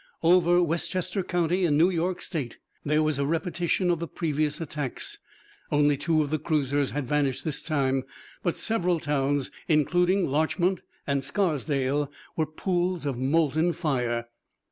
Over Westchester County in New York State there was a repetition of the previous attacks. Only two of the cruisers had vanished this time; but several towns, including Larchmont and Scarsdale, were pools of molten fire!